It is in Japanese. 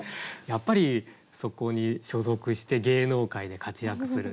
やっぱりそこに所属して芸能界で活躍する。